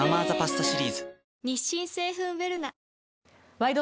「ワイド！